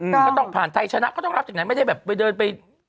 มันก็ต้องผ่านไทยชนะก็ต้องรับจากไหนไม่ได้แบบไปเดินไป